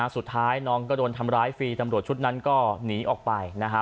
สุดท้ายน้องก็โดนทำร้ายฟรีตำรวจชุดนั้นก็หนีออกไปนะฮะ